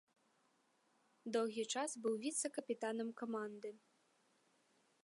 Доўгі час быў віцэ-капітанам каманды.